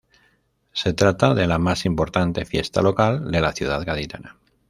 Se trata de la más importante fiesta local de la ciudad gaditana.